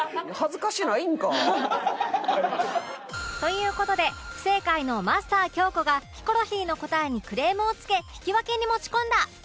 という事で不正解のマスター京子がヒコロヒーの答えにクレームをつけ引き分けに持ち込んだ